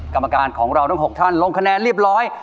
กรรมการของเราทั้ง๖ท่านลงคะแนนเรียบร้อย